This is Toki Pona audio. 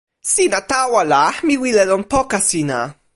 sina tawa la, mi wile lon poka sina.